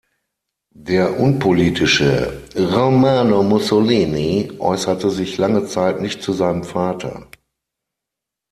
Der unpolitische Romano Mussolini äußerte sich lange Zeit nicht zu seinem Vater.